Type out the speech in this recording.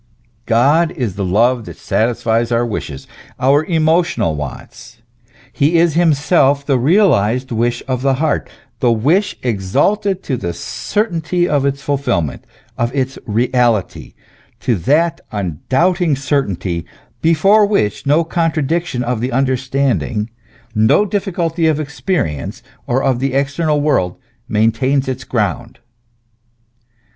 God is the Love that satisfies our wishes, our emotional wants; he is himself the realized wish of the heart, the wish exalted to the certainty of its fulfilment, of its reality, to that undoubting certainty before which no contradiction of the understanding, no difficulty of experience or of the ex ternal world maintains its ground.